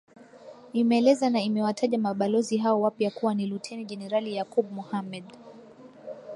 Imeeleza na imewataja mabalozi hao wapya kuwa ni Luteni Jenerali Yakub Mohamed